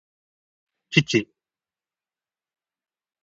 父